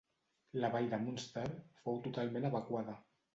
La vall de Münster fou totalment evacuada.